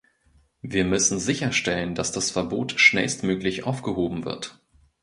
Wir müssen sicherstellen, dass das Verbot schnellstmöglich aufgehoben wird.